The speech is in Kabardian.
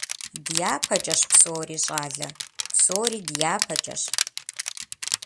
ДяпэкӀэщ псори, щӀалэ. Псори дяпэкӀэщ.